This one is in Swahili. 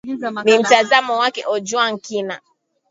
ni mtazamo wake ojwang kina